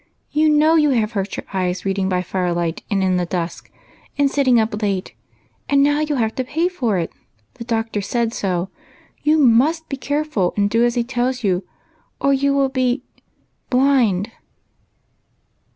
" You know you have hurt your eyes reading by fire light and in the dusk, and sitting up late, nnd now you '11 have to pay for it ; the doctor said so. You 7nust be careful, and do as he tells you, or you will be — blind."